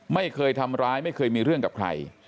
ไม่เคยทำร้ายไม่เคยมีเรื่องกับใคร